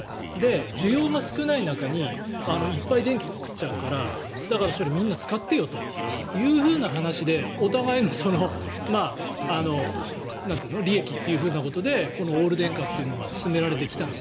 需要が少ない中にいっぱい電気を作っちゃうからそれ、使ってよという話でお互いの利益ということでオール電化というのが勧められてきたんです。